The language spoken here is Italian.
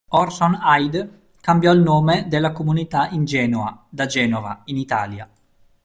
Orson Hyde cambiò il nome della comunità in Genoa, da Genova, in Italia.